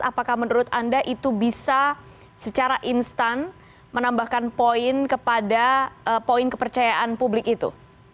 apakah menurut anda itu bisa secara instan menambahkan poin kepada poin kepercayaan publik itu